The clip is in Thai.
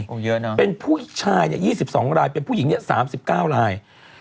โอ้เยอะนะเป็นผู้ชาย๒๒รายเป็นผู้หญิง๓๙ราย